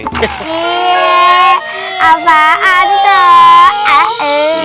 iya apaan tuh